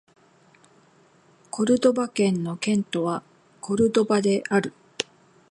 コルドバ県の県都はコルドバである